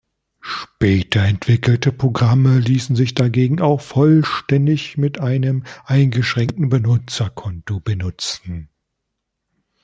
Später entwickelte Programme ließen sich dagegen auch vollständig mit einem „eingeschränkten Benutzerkonto“ benutzen.